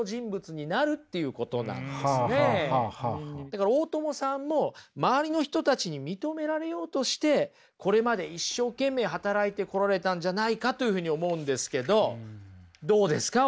だから大友さんも周りの人たちに認められようとしてこれまで一生懸命働いてこられたんじゃないかというふうに思うんですけどどうですか？